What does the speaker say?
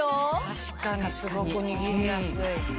確かにすごく握りやすい。